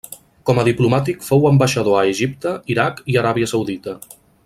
Com a diplomàtic fou ambaixador a Egipte, Iraq i Aràbia Saudita.